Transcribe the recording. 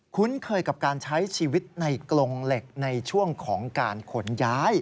คุ้นเคยกับการใช้ชีวิตในกรงเหล็กในช่วงของการขนย้าย